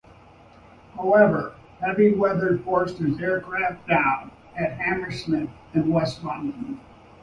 However, heavy weather forced his aircraft down at Hammersmith in West London.